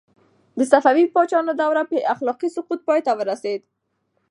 د صفوي پاچاهانو دوره په اخلاقي سقوط پای ته ورسېده.